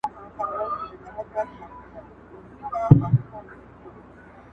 له غمونو اندېښنو کله خلاصېږو!!